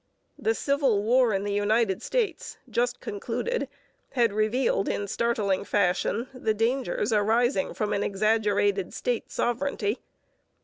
The Civil War in the United States, just concluded, had revealed in startling fashion the dangers arising from an exaggerated state sovereignty.